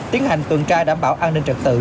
tiến hành tuần tra đảm bảo an ninh trật tự